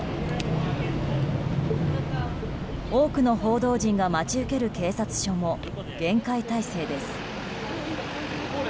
多くの報道陣が待ち受ける警察署も厳戒態勢です。